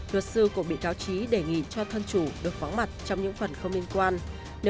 luật sư của bị cáo trí đề nghị cho thân chủ được vắng mặt trong những phần không liên quan